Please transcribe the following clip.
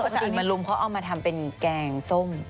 ที่มารุมเพราะเอามาทำเป็นแกงส้ม